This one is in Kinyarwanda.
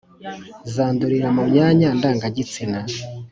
zandurira mu myanya ndangagitsina